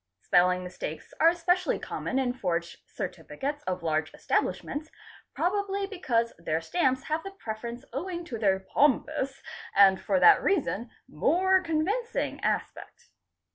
Spelling mistakes are especially common in forged certificates of large establishments, probably because their stamps have the preference owing to their "'pompous'' and fot that reason more convincing aspect.